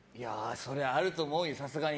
そりゃあると思うよ、さすがに。